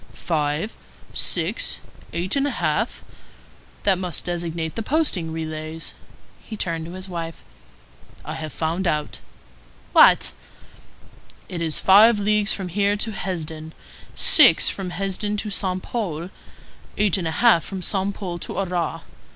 "Five, six, eight and a half? That must designate the posting relays." He turned to his wife:— "I have found out." "What?" "It is five leagues from here to Hesdin, six from Hesdin to Saint Pol, eight and a half from Saint Pol to Arras.